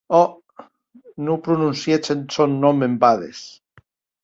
Ò!, non prononciètz eth sòn nòm en bades!